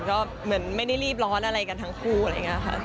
ก็เหมือนไม่ได้รีบร้อนอะไรกันทั้งคู่อะไรอย่างนี้ค่ะ